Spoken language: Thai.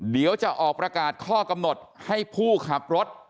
เดี๋ยวจะออกประกาศข้อกำหนดให้ผู้ขับรถ